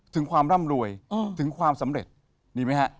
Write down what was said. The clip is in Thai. ถึงความร่ำรวยถึงความสำเร็จดีไหมฮะ